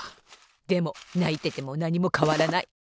でもないててもなにもかわらない！